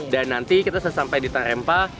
dan nanti kita sampai di tarempa